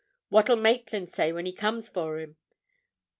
'What'll Maitland say when he comes for him?